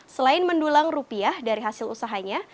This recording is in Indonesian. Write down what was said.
selain mendulang rupiah dari hasil usahanya